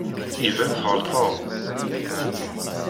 Iban tɣelṭeḍ.